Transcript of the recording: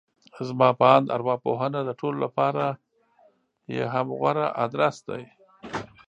زما په اند ارواپوهنه د ټولو لپاره يې هم غوره ادرس دی.